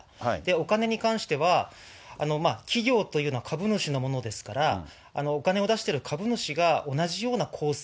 お金に関しては、企業というのは株主のものですから、お金を出してる株主が同じような構成、